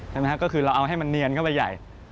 ใช่ไหมครับก็คือเราเอาให้มันเนียนเข้าไปใหญ่